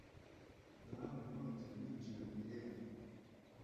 Nahawe inoti ninjiye mu irembo.